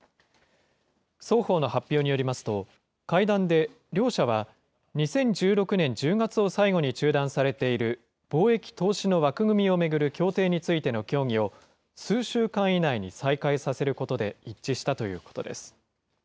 双方の発表によりますと、会談で両者は、２０１６年１０月を最後に中断されている貿易、投資の枠組みを巡る協定についての協議を、数週間以内に再開させることで一致したということです。